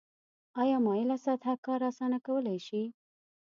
آیا مایله سطحه کار اسانه کولی شي؟